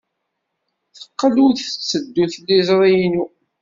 Teqqel ur tetteddu tliẓri-inu.